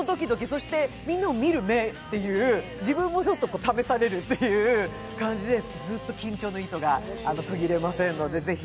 そしてみんなを見る目という、自分も試される感じでずっと緊張の糸が途切れませんのでぜひ。